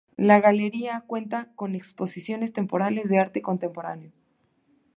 La galería cuenta con exposiciones temporales de arte contemporáneo.